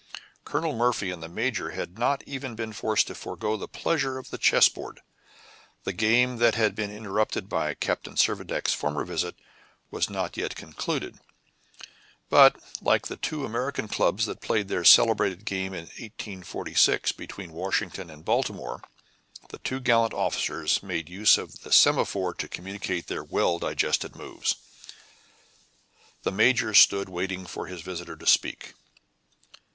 Colonel Murphy and the major had not even been forced to forego the pleasures of the chessboard. The game that had been interrupted by Captain Servadac's former visit was not yet concluded; but, like the two American clubs that played their celebrated game in 1846 between Washington and Baltimore, the two gallant officers made use of the semaphore to communicate their well digested moves. The major stood waiting for his visitor to speak.